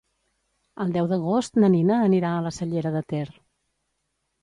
El deu d'agost na Nina anirà a la Cellera de Ter.